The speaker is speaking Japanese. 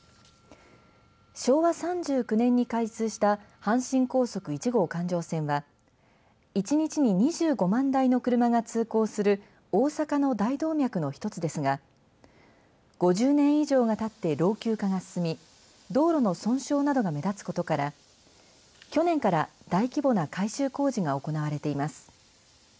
昭和３９年に開通した阪神高速１号環状線は１日に２５万台の車が通行する大阪の大動脈の一つですが５０年以上がたって老朽化が進み道路の損傷などが目立つことから去年から大規模な改修工事が行われています。